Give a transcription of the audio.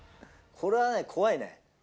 これはね、怖いね。